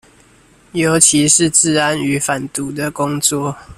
尤其是治安與反毒的工作